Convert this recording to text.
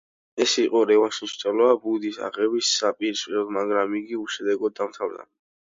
ეს იყო რევანშის მცდელობა ბუდის აღების საპირისპიროდ, მაგრამ იგი უშედეგოდ დამთავრდა.